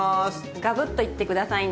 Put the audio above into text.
ガブッといって下さいね！